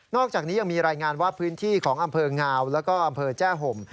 อกจากนี้ยังมีรายงานว่าพื้นที่ของอำเภองาวแล้วก็อำเภอแจ้ห่ม